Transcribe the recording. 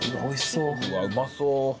うわっうまそう！